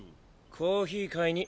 コーヒー買いに。